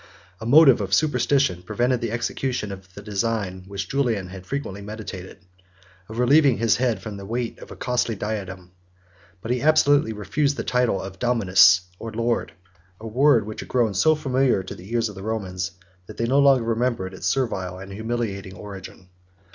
A motive of superstition prevented the execution of the design, which Julian had frequently meditated, of relieving his head from the weight of a costly diadem; 72 but he absolutely refused the title of Dominus, or Lord, 73 a word which was grown so familiar to the ears of the Romans, that they no longer remembered its servile and humiliating origin.